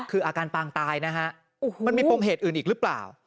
คืออาการปางตายนะฮะมันมีปมเหตุอื่นอีกหรือเปล่า